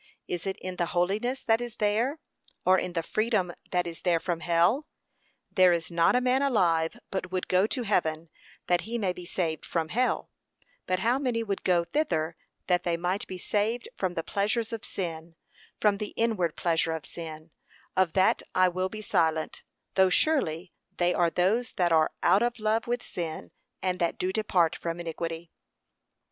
is it in the holiness that is there, or in the freedom that is there from hell? There is not a man alive but would go to heaven, that he may be saved from hell: but how many would go thither that they might be saved from the pleasures of sin, from the inward pleasure of sin; of that I will be silent, though surely they are those that are out of love with sin, and that do depart from iniquity.